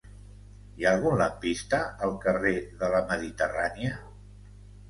Hi ha algun lampista al carrer de la Mediterrània?